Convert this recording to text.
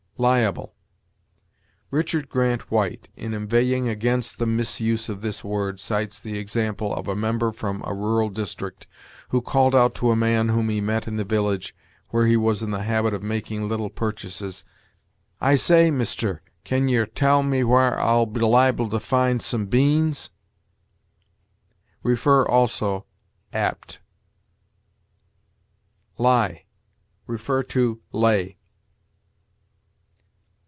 LIABLE. Richard Grant White, in inveighing against the misuse of this word, cites the example of a member from a rural district, who called out to a man whom he met in the village, where he was in the habit of making little purchases: "I say, mister, kin yer tell me whar I'd be li'ble to find some beans?" See, also, APT. LIE. See LAY.